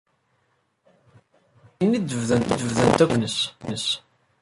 Ssyen i d-bdant akk twuɣa-ines.